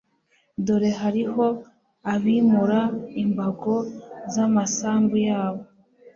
dore hariho abimura imbago z'amasambu yabo